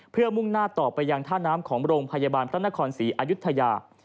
เพื่อมุ่งหน้าต่อไปยังท่าน้ำของโรงพยาบาลพระนครศรีอายุทยา